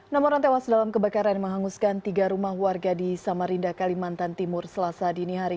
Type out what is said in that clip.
enam orang tewas dalam kebakaran menghanguskan tiga rumah warga di samarinda kalimantan timur selasa dini hari